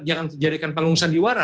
jangan menjadikan pengungsan di warah